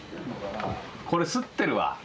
これ擦ってるわ。